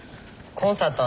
コンサートはね